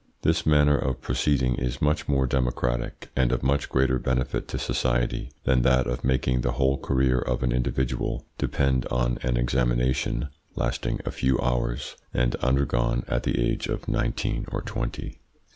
This manner of proceeding is much more democratic and of much greater benefit to society than that of making the whole career of an individual depend on an examination, lasting a few hours, and undergone at the age of nineteen or twenty.